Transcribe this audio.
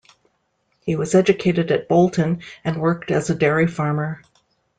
He was educated at Bolton and worked as a dairy farmer.